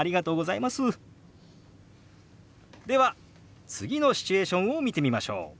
では次のシチュエーションを見てみましょう。